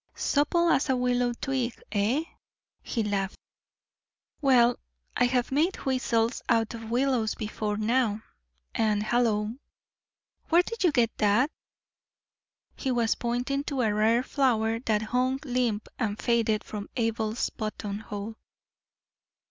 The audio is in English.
"Supple as a willow twig, eh?" he laughed. "Well, I have made whistles out of willows before now, and hallo! where did you get that?" He was pointing to a rare flower that hung limp and faded from Abel's buttonhole.